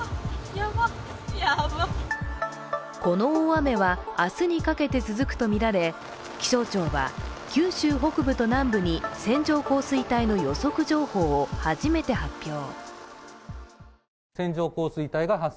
この大雨は明日にかけて続くとみられ、気象庁は九州北部と南部に線状降水帯の予測情報を初めて発表。